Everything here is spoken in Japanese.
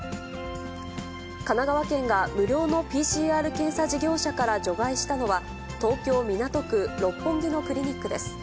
神奈川県が無料のＰＣＲ検査事業者から除外したのは、東京・港区六本木のクリニックです。